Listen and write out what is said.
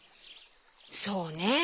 そうね。